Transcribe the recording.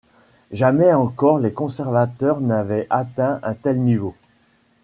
Jamais encore les conservateurs n'avaient atteint un tel niveau.